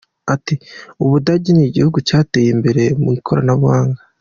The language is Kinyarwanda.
Ati” U Budage ni igihugu cyateye imbere mu ikoranabuhanga.